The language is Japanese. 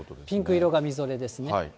ピンク色がみぞれですね。